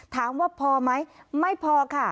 ถามว่าพอไหมไม่พอค่ะ